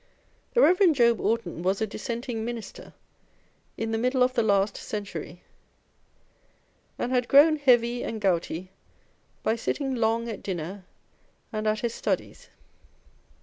The Rev. Job Orton was a Dissenting Minister in the middle of the last century, and had grown heavy and gouty by sitting long at dinner and at his studies.